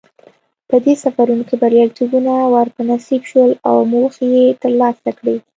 په دې سفرونو کې بریالیتوبونه ور په نصیب شول او موخې یې ترلاسه کړې.